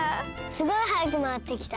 すごい早くまわってきた。